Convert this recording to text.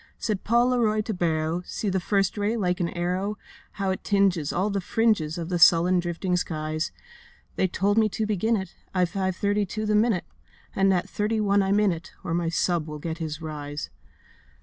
Said Paul Leroy to Barrow, 'See that first ray, like an arrow, How it tinges all the fringes Of the sullen drifting skies. They told me to begin it At five thirty to the minute, And at thirty one I'm in it, Or my sub will get his rise.